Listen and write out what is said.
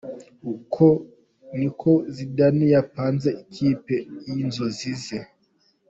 Uku niko Zidane yapanze ikipe y'inzozi ze.